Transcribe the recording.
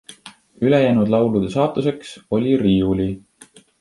Ülejäänud laulude saatuseks oli riiuli.